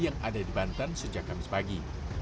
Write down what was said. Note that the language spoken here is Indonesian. yang ada di banten sejak kamis pagi